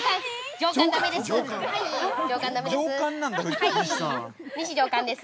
上官、だめです。